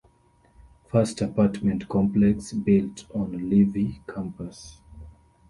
First apartment complex built on Leavey campus.